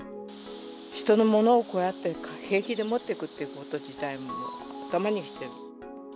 人のものをこうやって、平気で持っていくこと自体、頭にきてる。